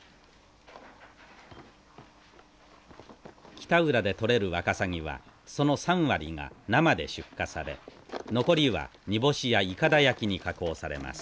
北浦で取れるワカサギはその３割が生で出荷され残りは煮干しやいかだ焼きに加工されます。